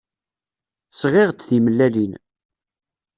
Sɣiɣ-d timellalin.